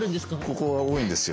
ここは多いんですよ